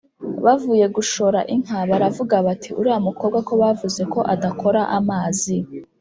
bavuye gushora inka baravuga bati: “uriya mukobwa ko bavuze ko adakora amazi